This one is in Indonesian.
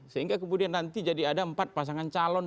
sehingga kemudian nanti jadi ada empat pasangan calon